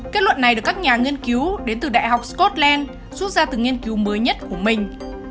kết luận này được các nhà nghiên cứu đến từ đại học scotland rút ra từ nghiên cứu mới nhất của mình